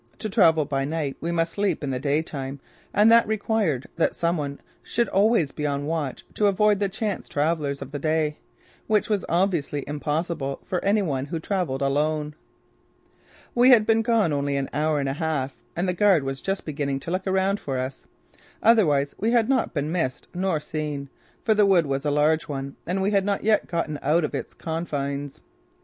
To travel by night we must sleep in the day time and that required that some one should always be on watch to avoid the chance travellers of the day which was obviously impossible for any one who travelled alone. We had been gone only an hour and a half and the guard was just beginning to look around for us. Otherwise we had not been missed nor seen, for the wood was a large one and we had not yet gotten out of its confines.